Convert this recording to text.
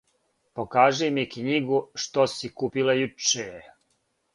Покажи ми кнњигу што си купила јуче.